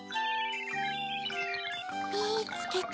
みつけた。